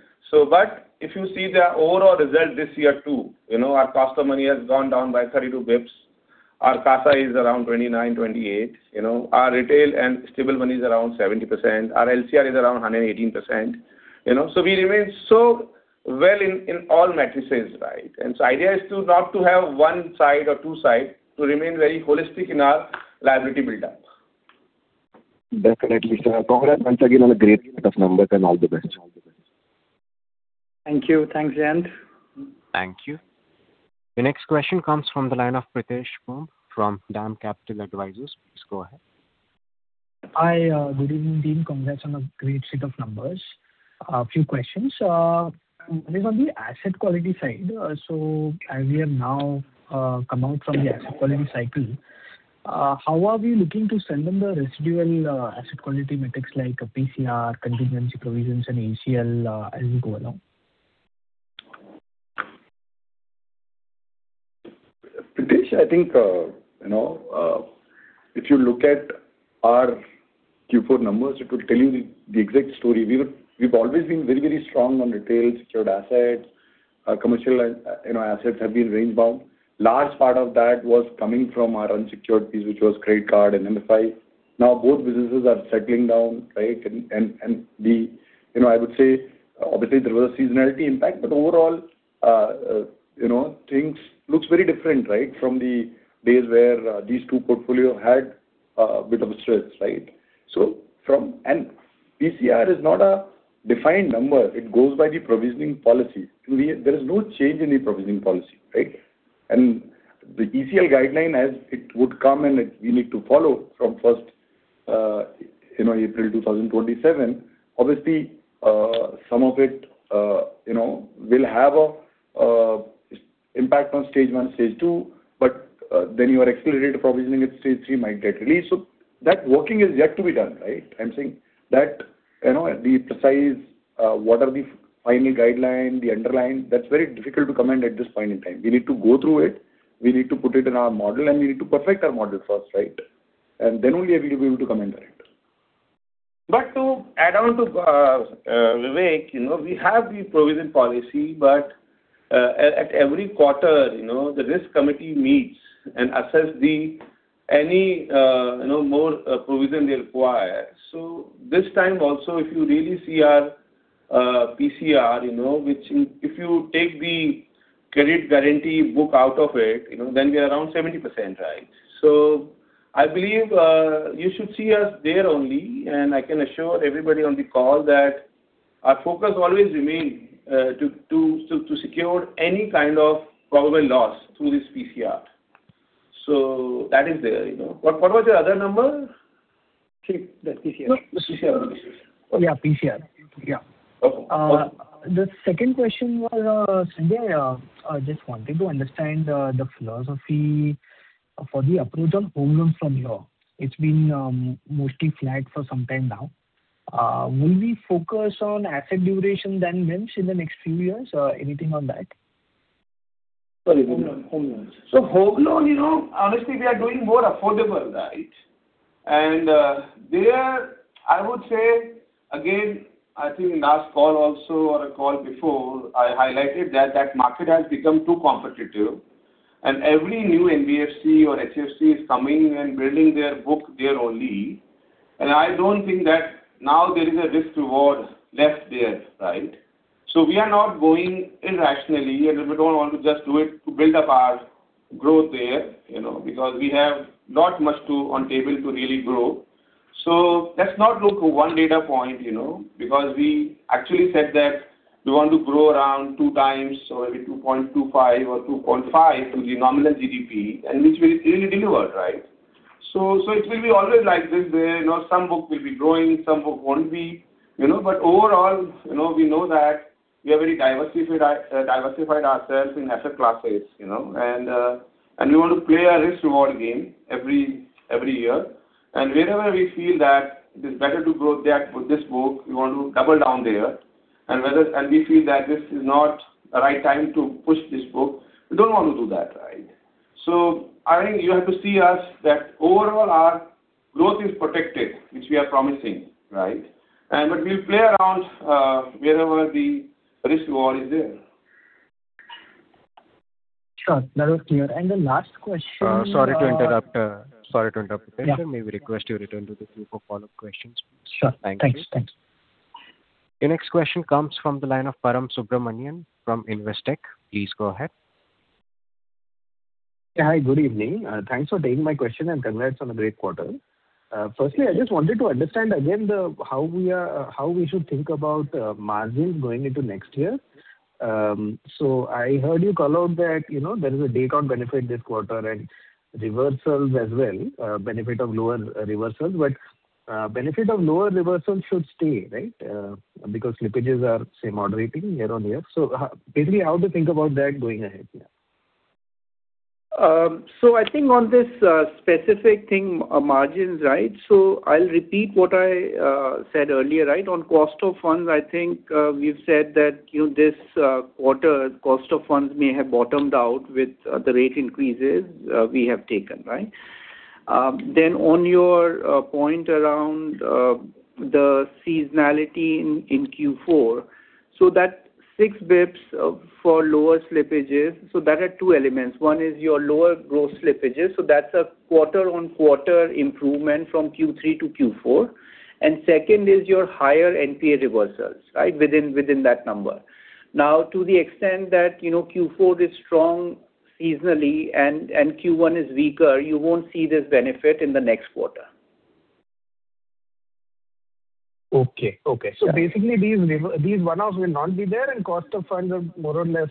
If you see the overall result this year too, you know, our cost of money has gone down by 32 basis points. Our CASA is around 29, 28, you know. Our retail and stable money is around 70%. Our LCR is around 118%, you know. We remain so well in all metrics, right? Idea is to not to have one side or two side, to remain very holistic in our liability build-up. Definitely, sir. Congrats once again on a great set of numbers and all the best. Thank you. Thanks, Jayant. Thank you. The next question comes from the line of Pritesh Bumb from DAM Capital Advisors. Please go ahead. Hi. Good evening, team. Congrats on a great set of numbers. A few questions. One is on the asset quality side. As we have now come out from the asset quality cycle, how are we looking to strengthen the residual asset quality metrics like PCR, contingency provisions and ACL, as we go along? Pritesh, I think, you know, if you look at our Q4 numbers, it will tell you the exact story. We've always been very, very strong on retail secured assets. Our commercial assets have been range-bound. Large part of that was coming from our unsecured piece, which was credit card and MFI. Now both businesses are settling down, right? You know, I would say obviously there was a seasonality impact. Overall, things look very different, right, from the days where these two portfolios had a bit of a stretch, right? PCR is not a defined number. It goes by the provisioning policy. There is no change in the provisioning policy, right? The ECL guideline as it would come and we need to follow from first, you know, April 2027. Obviously, some of it, you know, will have a impact on stage one, stage two, but then your accelerated provisioning at stage three might get released. So that working is yet to be done, right? I'm saying that, you know, the precise, what are the final guideline, the underlying, that's very difficult to comment at this point in time. We need to go through it. We need to put it in our model, and we need to perfect our model first, right? Then only are we able to comment on it. To add on to Vivek, you know, we have the provision policy, but at every quarter, you know, the risk committee meets and assess any, you know, more provision they require. This time also, if you really see our PCR, you know, which if you take the credit guarantee book out of it, you know, then we are around 70%, right? I believe you should see us there only, and I can assure everybody on the call that our focus always remain to secure any kind of probable loss through this PCR. That is there, you know. What was your other number? The PCR. The PCR. Oh, yeah, PCR. Yeah. Okay. The second question was, Sanjay, I just wanted to understand the philosophy for the approach on home loans from here. It's been mostly flat for some time now. Will we focus on asset duration than NIMs in the next few years? Anything on that? Sorry, home loans. Home loans. Home loan, you know, honestly, we are doing more affordable, right? there I would say, again, I think last call also or a call before, I highlighted that that market has become too competitive and every new NBFC or HFC is coming and building their book there only. I don't think that now there is a risk towards less there, right? We are not going irrationally, and we don't want to just do it to build up our growth there, you know, because we have not much to on table to really grow. Let's not look to one data point, you know, because we actually said that we want to grow around 2xor maybe 2.25x or 2.5x to the nominal GDP and which we really delivered, right? It will be always like this where, you know, some book will be growing, some book won't be. You know? Overall, you know, we know that we are very diversified ourselves in asset classes, you know. We want to play a risk reward game every year. Whenever we feel that it is better to grow that with this book, we want to double down there. We feel that this is not the right time to push this book, we don't want to do that, right? I think you have to see us that overall our growth is protected, which we are promising, right? We play around, wherever the risk reward is there. Sure. That was clear. The last question, Sorry to interrupt, Pritesh. Yeah. May we request you return to the queue for follow-up questions, please? Sure. Thank you. Thanks. Thanks. Your next question comes from the line of Param Subramanian from Investec. Please go ahead. Hi. Good evening. Thanks for taking my question, and congrats on a great quarter. Firstly, I just wanted to understand again the, how we are, how we should think about, margins going into next year. So I heard you call out that, you know, there is a day count benefit this quarter and reversals as well, benefit of lower reversals. Benefit of lower reversals should stay, right? Because slippages are, say, moderating year-over-year. Basically how to think about that going ahead, yeah. I think on this specific thing margins right I'll repeat what I said earlier right? On cost of funds, I think we've said that you know this quarter cost of funds may have bottomed out with the rate increases we have taken right? On your point around the seasonality in Q4. That six basis points for lower slippages that are two elements. One is your lower gross slippages so that's a quarter-on-quarter improvement from Q3 to Q4. Second is your higher NPA reversals right? Within that number. Now to the extent that you know Q4 is strong seasonally and Q1 is weaker you won't see this benefit in the next quarter. Okay. Okay. Yeah. Basically these one-offs will not be there and cost of funds have more or less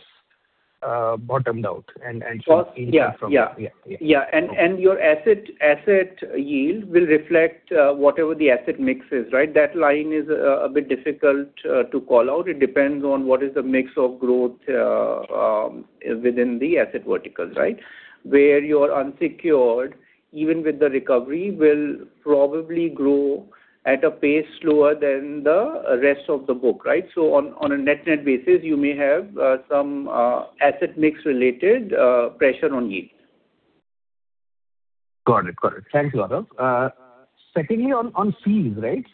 bottomed out and should increase from there. Yeah. Yeah. Yeah. Your asset yield will reflect whatever the asset mix is, right? That line is a bit difficult to call out. It depends on what is the mix of growth within the asset verticals, right? Where your unsecured, even with the recovery, will probably grow at a pace slower than the rest of the book, right? On a net-net basis, you may have some asset mix related pressure on yield. Got it. Thanks, Gaurav. Secondly on fees, right?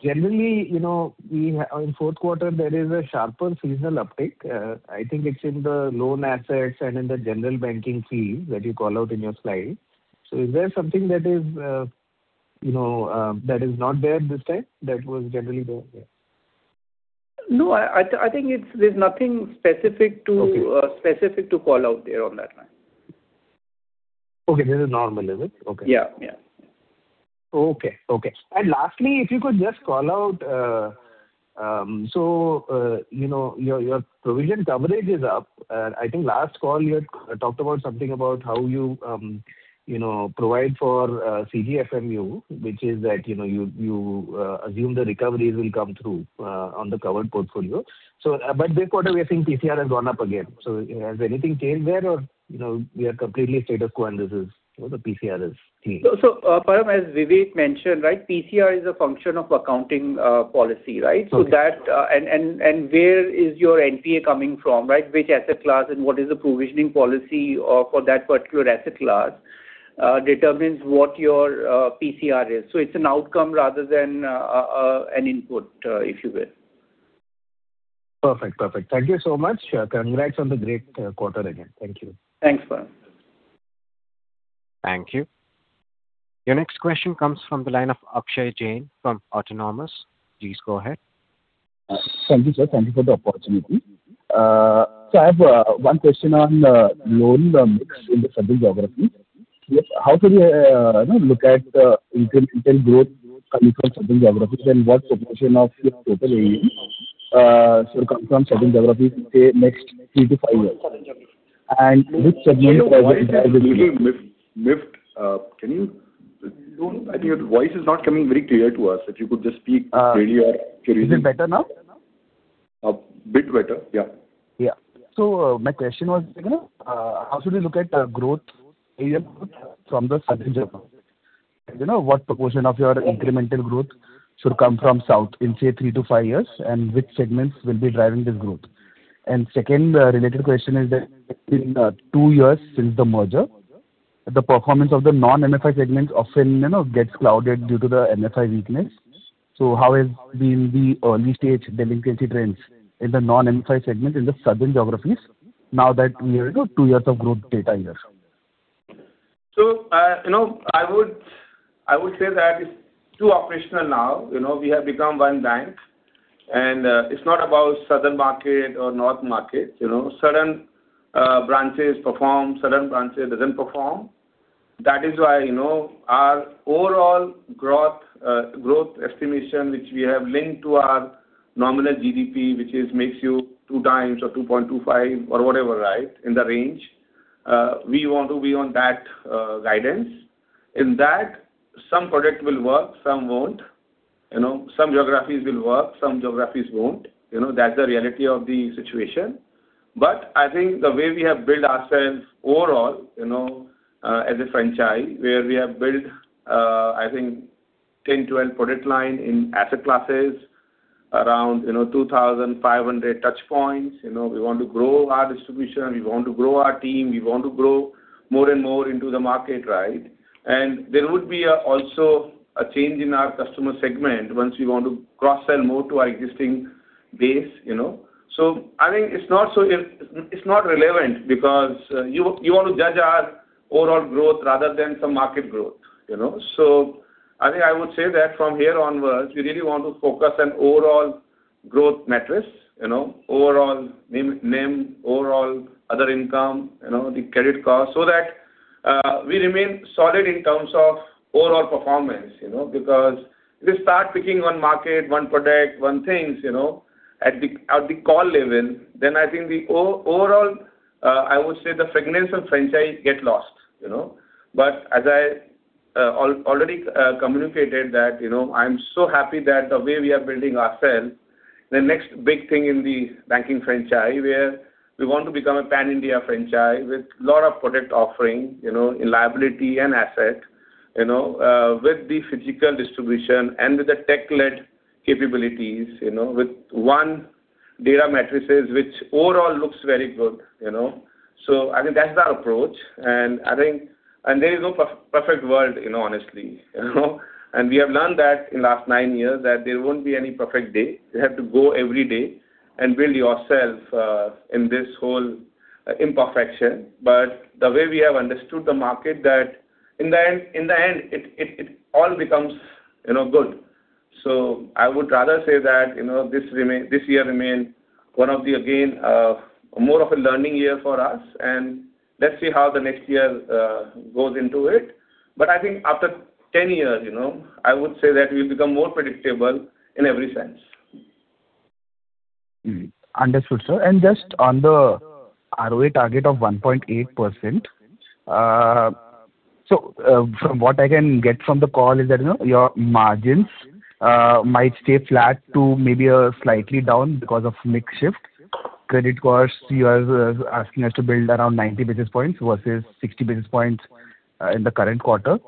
Generally, in fourth quarter there is a sharper seasonal uptick. I think it's in the loan assets and in the general banking fees that you call out in your slide. Is there something that is not there this time that was generally there? No. I think there's nothing specific to- Okay. Specific to call out there on that one. Okay. This is normal, is it? Okay. Yeah. Yeah. Lastly, if you could just call out, you know, your provision coverage is up. I think last call you had talked about something about how you know, provide for CGFMU, which is that, you know, you assume the recoveries will come through on the covered portfolio. But this quarter we are seeing PCR has gone up again. Has anything changed there or, you know, we are completely status quo and this is, you know, the PCR is stable? Param, as Vivek mentioned, right, PCR is a function of accounting policy, right? Okay. Where is your NPA coming from, right? Which asset class and what is the provisioning policy for that particular asset class determines what your PCR is. It's an outcome rather than an input, if you will. Perfect. Thank you so much. Congrats on the great quarter again. Thank you. Thanks, Param. Thank you. Your next question comes from the line of Akshay Jain from Autonomous. Please go ahead. Thank you, sir. Thank you for the opportunity. I have one question on loan mix in the southern geography. How can we, you know, look at incremental growth coming from southern geography and what proportion of your total AUM should come from southern geography, say, next three to five years? Which segment- You know, your voice is little muffled. I think your voice is not coming very clear to us. If you could just speak clearly or can you Is it better now? A bit better. Yeah. Yeah. my question was, you know, how should we look at growth, AUM growth from the southern geography? You know, what proportion of your incremental growth should come from south in, say, 3-5 years, and which segments will be driving this growth? Second, related question is that in 2 years since the merger. The performance of the non-MFI segments often, you know, gets clouded due to the MFI weakness. How is the early-stage delinquency trends in the non-MFI segment in the southern geographies now that we are, you know, 2 years of growth data in there? You know, I would say that it's too operational now. You know, we have become one bank and it's not about southern market or north market, you know. Certain branches perform, certain branches doesn't perform. That is why, you know, our overall growth estimation, which we have linked to our nominal GDP, which is makes you 2x or 2.25x or whatever, right, in the range. We want to be on that guidance. In that some product will work, some won't, you know. Some geographies will work, some geographies won't, you know. That's the reality of the situation. I think the way we have built ourselves overall, you know, as a franchise, where we have built, I think 10, 12 product line in asset classes around, you know, 2,500 touchpoints, you know. We want to grow our distribution, we want to grow our team, we want to grow more and more into the market, right? There would be also a change in our customer segment once we want to cross-sell more to our existing base, you know. I think it's not relevant because, you want to judge our overall growth rather than some market growth, you know. I think I would say that from here onwards, we really want to focus on overall growth metrics, you know. Overall NIM, overall other income, you know, the credit cost, so that we remain solid in terms of overall performance, you know. Because if we start picking one market, one product, one things, you know, at the call level, then I think the overall, I would say the fragrance of franchise get lost, you know. As I already communicated that, you know, I'm so happy that the way we are building ourselves, the next big thing in the banking franchise, where we want to become a pan-India franchise with lot of product offering, you know, in liability and asset, you know. With the physical distribution and with the tech-led capabilities, you know, with one data matrices which overall looks very good, you know. I think that's our approach and I think. There is no perfect world, you know, honestly, you know? We have learned that in last 9 years that there won't be any perfect day. You have to go every day and build yourself in this whole imperfection. The way we have understood the market that in the end, it all becomes, you know, good. I would rather say that, you know, this year remains one of the, again, more of a learning year for us and let's see how the next year goes into it. I think after 10 years, you know, I would say that we've become more predictable in every sense. Understood, sir. Just on the ROA target of 1.8%. From what I can get from the call is that, you know, your margins might stay flat to maybe slightly down because of mix shift. Credit costs, you are asking us to build around 90 basis points versus 60 basis points in the current quarter.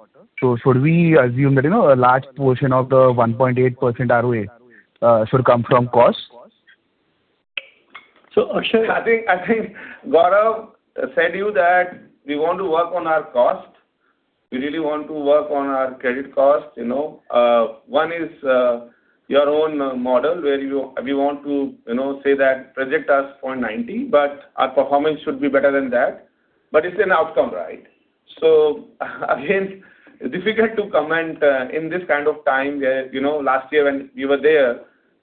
Should we assume that, you know, a large portion of the 1.8% ROA should come from costs? Akshay, I think Gaurav said to you that we want to work on our cost. We really want to work on our credit cost, you know. One is your own model where you, we want to, you know, say that projects us 0.90%, but our performance should be better than that. It's an outcome, right? Again, difficult to comment in this kind of time where, you know, last year when we were there,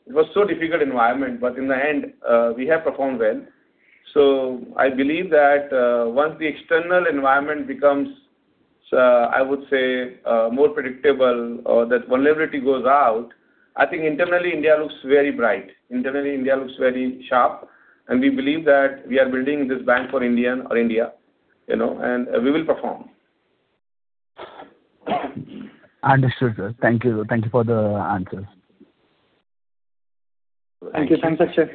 it was so difficult environment, but in the end, we have performed well. I believe that once the external environment becomes, I would say, more predictable or that volatility goes out, I think internally India looks very bright. Internally India looks very sharp and we believe that we are building this bank for India, you know, and we will perform. Understood, sir. Thank you. Thank you for the answers. Thank you. Thanks, Akshay.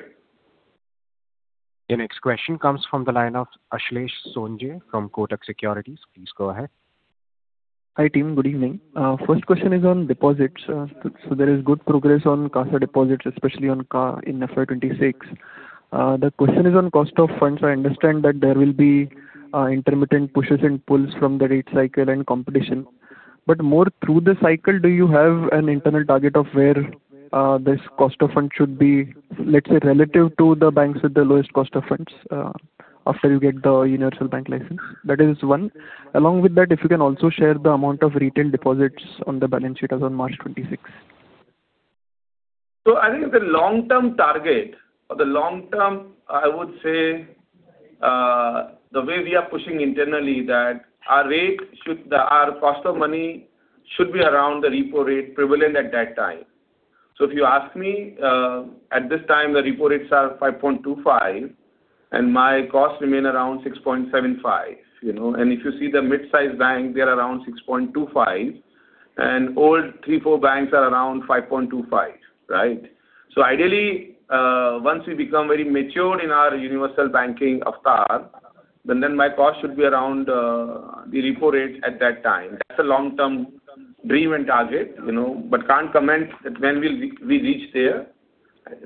Your next question comes from the line of Ashlesh Sonje from Kotak Securities. Please go ahead. Hi team. Good evening. First question is on deposits. There is good progress on CASA deposits, especially on CAR in FY 2026. The question is on cost of funds. I understand that there will be intermittent pushes and pulls from the rate cycle and competition, but more through the cycle, do you have an internal target of where this cost of funds should be, let's say, relative to the banks with the lowest cost of funds, after you get the universal bank license? That is one. Along with that, if you can also share the amount of retail deposits on the balance sheet as on March 2026. I think the long-term target or the long term, I would say, the way we are pushing internally that our cost of money should be around the repo rate prevalent at that time. If you ask me, at this time the repo rates are 5.25% and my cost remain around 6.75%, you know. If you see the midsize banks, they are around 6.25% and old private banks are around 5.25%, right? Ideally, once we become very mature in our universal banking avatar, my cost should be around the repo rate at that time. That's a long-term dream and target, you know, but can't comment that when we'll we reach there.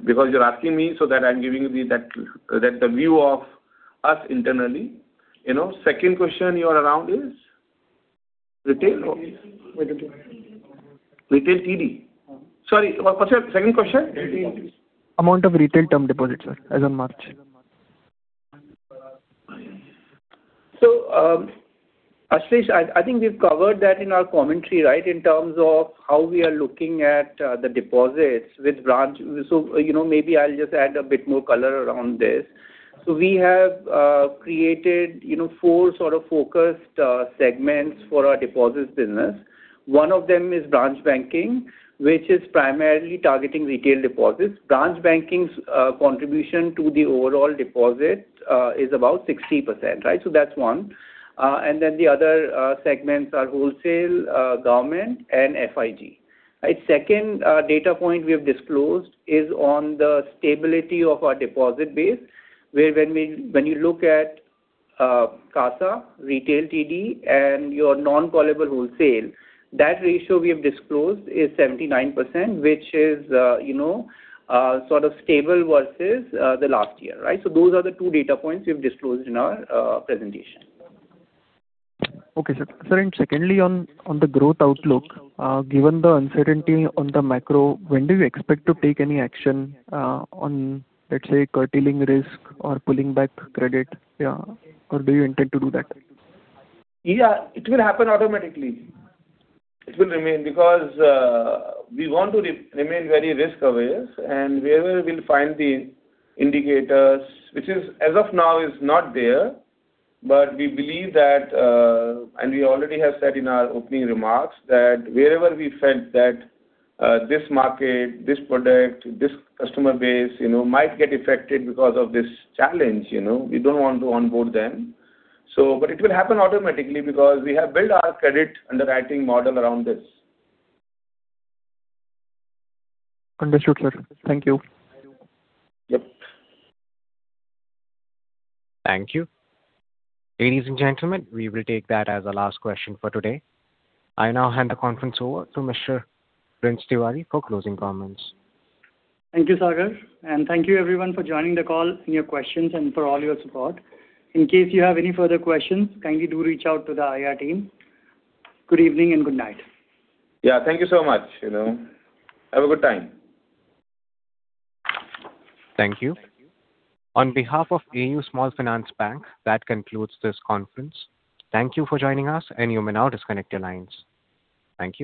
Because you're asking me so that I'm giving you the view of us internally. You know, second question you have around is? Retail or- Retail. Retail TD. Sorry, what's your second question? Amount of retail term deposits, sir, as on March? Ashlesh, I think we've covered that in our commentary, right? In terms of how we are looking at the deposits with branch. You know, maybe I'll just add a bit more color around this. We have created, you know, four sort of focused segments for our deposits business. One of them is branch banking, which is primarily targeting retail deposits. Branch banking's contribution to the overall deposit is about 60%, right? That's one. The other segments are wholesale, government and FIG, right. Second, data point we have disclosed is on the stability of our deposit base, where when we, when you look at, CASA, retail TD and your non-callable wholesale, that ratio we have disclosed is 79%, which is, you know, sort of stable versus, the last year, right? So those are the two data points we've disclosed in our, presentation. Okay, sir. Sir, secondly on the growth outlook, given the uncertainty on the macro, when do you expect to take any action on, let's say, curtailing risk or pulling back credit? Yeah. Do you intend to do that? Yeah. It will happen automatically. It will remain because we want to remain very risk-aware and wherever we'll find the indicators, which as of now is not there. We believe that and we already have said in our opening remarks that wherever we felt that this market, this product, this customer base, you know, might get affected because of this challenge, you know. We don't want to onboard them. It will happen automatically because we have built our credit underwriting model around this. Understood, sir. Thank you. Yep. Thank you. Ladies and gentlemen, we will take that as our last question for today. I now hand the conference over to Mr. Prince Tiwari for closing comments. Thank you, Sagar, and thank you everyone for joining the call and your questions and for all your support. In case you have any further questions, kindly do reach out to the IR team. Good evening and good night. Yeah. Thank you so much, you know. Have a good time. Thank you. On behalf of AU Small Finance Bank, that concludes this conference. Thank you for joining us, and you may now disconnect your lines. Thank you.